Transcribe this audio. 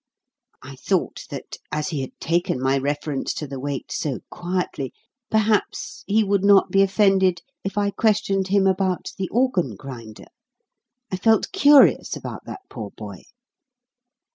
I thought that, as he had taken my reference to the wait so quietly, perhaps he would not be offended if I questioned him about the organ grinder. I felt curious about that poor boy.